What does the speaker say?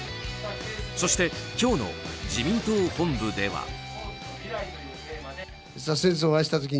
そして、今日の自民党本部では。